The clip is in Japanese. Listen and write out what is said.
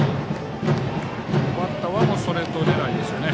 バッターはストレート狙いですね。